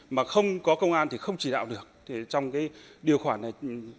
mà không có công an thì không chỉ đạo được trong cái điều khoản này